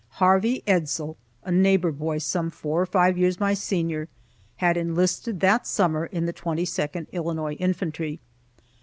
Harvey Edsall, a neighbor boy some four or five years my senior, had enlisted that summer in the 22nd Illinois Infantry.